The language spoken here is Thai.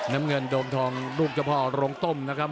น้ำเงินโดมทองลูกเจ้าพ่อโรงต้มนะครับ